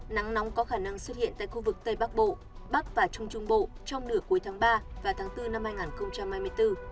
nắng nóng có khả năng xuất hiện tại khu vực tây bắc bộ bắc và trung trung bộ trong nửa cuối tháng ba và tháng bốn năm hai nghìn hai mươi bốn